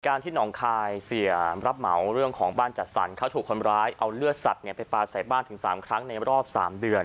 ที่หนองคายเสียรับเหมาเรื่องของบ้านจัดสรรเขาถูกคนร้ายเอาเลือดสัตว์ไปปลาใส่บ้านถึง๓ครั้งในรอบ๓เดือน